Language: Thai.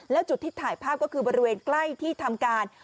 แล้วจุดที่ถ่ายภาพก็คือบริเวณใกล้ที่ทำการ